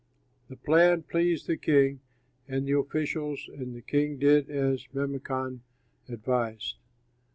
The plan pleased the king and the officials, and the king did as Memucan advised.